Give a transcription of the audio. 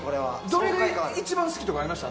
どれが好きとかありました？